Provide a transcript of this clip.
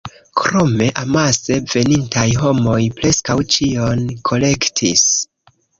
Krome, amase venintaj homoj preskaŭ ĉion kolektis.